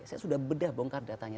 saya sudah bedah bongkar datanya